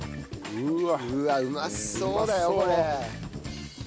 うわっうまそうだよこれ。